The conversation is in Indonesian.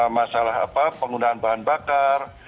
masalah penggunaan bahan bakar